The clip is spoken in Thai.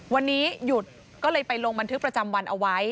วันนี้หยุดก็เลยไปลงบันทึกประจำวันเอาไว้